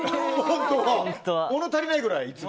物足りないくらい？